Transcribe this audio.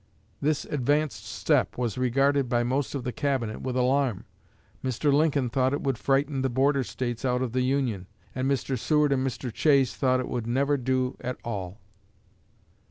This advanced step was regarded by most of the Cabinet with alarm. Mr. Lincoln thought it would frighten the border States out of the Union, and Mr. Seward and Mr. Chase thought it would never do at all."